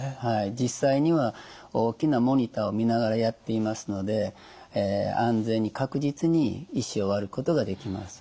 実際には大きなモニターを見ながらやっていますので安全に確実に石を割ることができます。